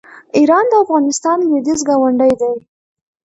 ایران د افغانستان لویدیځ ګاونډی دی.